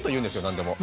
何でも。